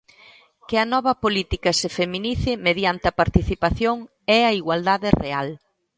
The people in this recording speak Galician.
Que a nova política se feminice mediante a participación e a igualdade real.